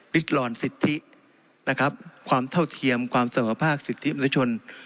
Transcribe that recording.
พิกรรณสิทธินะครับความเท่าเทียมความสภาพภาคสิทธิมันชน